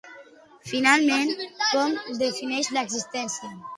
Finalment, com defineix l'existència?